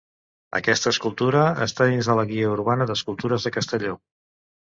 Aquesta escultura està dins de la Guia Urbana d'escultures de Castelló.